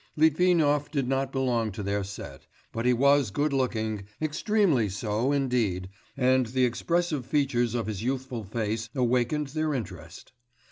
Litvinov did not belong to their set; but he was good looking, extremely so, indeed, and the expressive features of his youthful face awakened their interest.